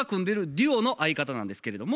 デュオの相方なんですけれども。